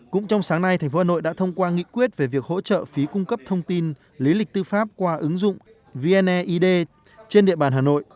cũng trong sáng nay tp hà nội đã thông qua nghị quyết về việc hỗ trợ phí cung cấp thông tin lý lịch tư pháp qua ứng dụng vneid trên địa bàn hà nội